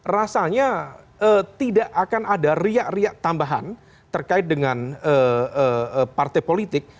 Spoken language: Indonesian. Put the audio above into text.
rasanya tidak akan ada riak riak tambahan terkait dengan partai politik